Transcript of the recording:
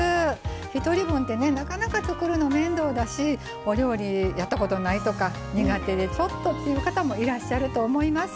１人分ってねなかなか作るの面倒だしお料理やったことないとか苦手でちょっとっていう方もいらっしゃると思います。